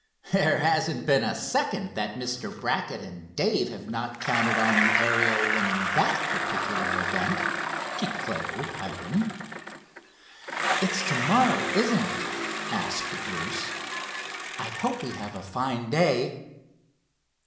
"There hasn't been a second that Mr. Brackett and Dave have not counted on the Ariel winning that particular event," declared Hiram. "It's to morrow; isn't it?" asked Bruce. "I hope we have a fine day."